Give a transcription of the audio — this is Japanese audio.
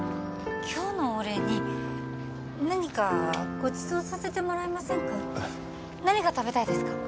今日のお礼に何かごちそうさせてもらえませんか何が食べたいですか？